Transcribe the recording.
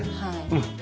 うん。